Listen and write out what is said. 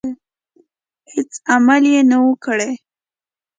هیڅ عمل نه وو کړی.